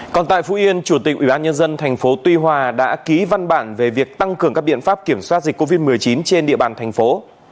còn tại phú yên chủ tịch ubnd tp tuy hòa đã ký văn bản về việc tăng cường các biện pháp kiểm soát dịch covid một mươi chín trên địa bàn thành phố